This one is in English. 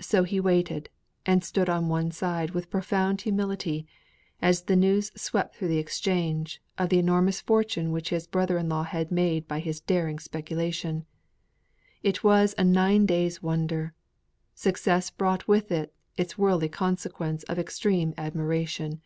So he waited, and stood on one side with profound humility, as the news swept through the Exchange of the enormous fortune which his brother in law had made by his daring speculation. It was a nine days' wonder. Success brought with it its worldly consequence of extreme admiration.